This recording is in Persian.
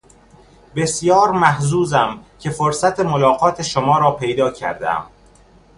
بسیار محظوظم که فرصت ملاقات شما را پیدا کردهام.